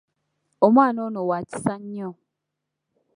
Omwana ono wa kisa nnyo.